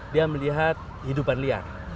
dia melihat hidupan liar